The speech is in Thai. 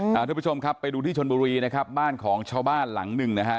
ทุกผู้ชมครับไปดูที่ชนบุรีนะครับบ้านของชาวบ้านหลังหนึ่งนะฮะ